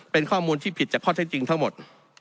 เป็นข้อมูลที่ผิดจากข้อเท็จจริงทั้งหมด